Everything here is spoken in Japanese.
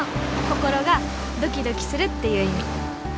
心がドキドキするっていう意味。